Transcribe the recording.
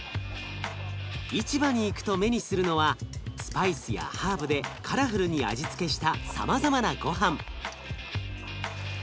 市場に行くと目にするのはスパイスやハーブでカラフルに味付けしたさまざまなごはん。